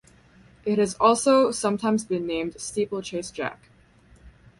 It has also sometimes been named Steeplechase Jack.